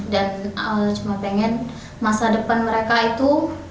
dan cuma pengen masa depan mereka itu